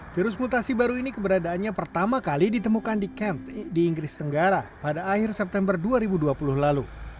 virus mutasi baru ini keberadaannya pertama kali ditemukan di kemptn di inggris tenggara pada akhir september dua ribu dua puluh lalu